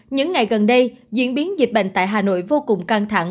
những ngày gần đây diễn biến dịch bệnh tại hà nội vô cùng căng thẳng